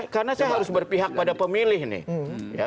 karena saya harus berpihak pada pemilih nih